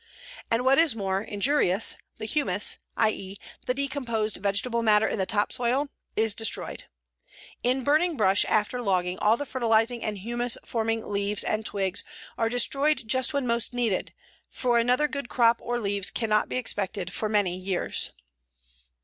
And, what is more injurious, the humus i. e., the decomposed vegetable matter in the top soil is destroyed. In burning brush after logging all the fertilizing and humus forming leaves and twigs are destroyed just when most needed, for another good crop or leaves cannot be expected for many years.